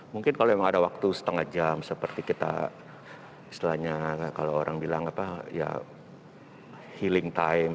mungkin kalau memang ada waktu setengah jam seperti kita istilahnya kalau orang bilang apa ya healing time